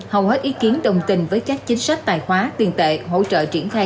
hầu hết ý kiến đồng tình với các chính sách tài khóa tiền tệ hỗ trợ triển khai